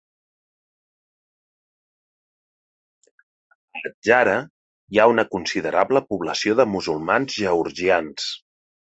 A Adjara hi ha una considerable població de musulmans georgians.